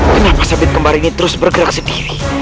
kenapa sabit kembar ini terus bergerak sendiri